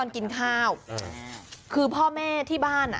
นี่คือเทคนิคการขาย